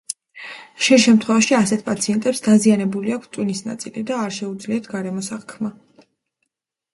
ხშირ შემთხვევაში ასეთ პაციენტებს დაზიანებული აქვთ ტვინის ნაწილი და არ შეუძლიათ გარემოს აღქმა.